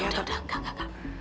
udah udah udah enggak enggak enggak